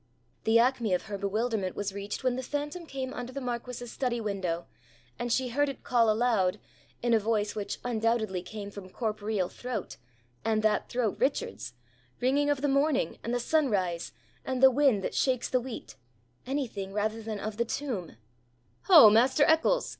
The acme of her bewilderment was reached when the phantom came under the marquis's study window, and she heard it call aloud, in a voice which undoubtedly came from corporeal throat, and that throat Richard's, ringing of the morning and the sunrise and the wind that shakes the wheat anything rather than of the tomb: 'Ho, master Eccles!'